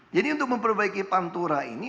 jadi untuk memperbaiki pantura ini